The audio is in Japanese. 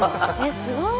すごい。